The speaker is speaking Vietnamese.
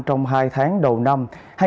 trong hai tháng đầu năm